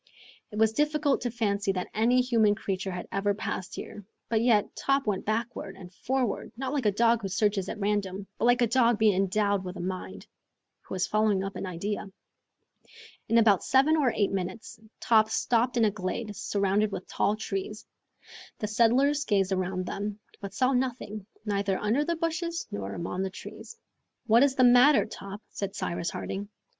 It was difficult to fancy that any human creature had ever passed there, but yet Top went backward and forward, not like a dog who searches at random, but like a dog being endowed with a mind, who is following up an idea. In about seven or eight minutes Top stopped in a glade surrounded with tall trees. The settlers gazed around them, but saw nothing, neither under the bushes nor among the trees. "What is the matter, Top?" said Cyrus Harding.